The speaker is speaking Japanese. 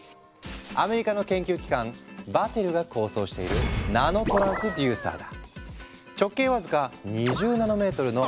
アメリカの研究機関Ｂａｔｔｅｌｌｅが構想しているナノトランスデューサーだ。